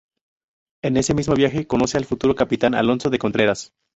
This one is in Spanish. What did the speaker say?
En ese mismo viaje, conoce al futuro capitán Alonso de Contreras.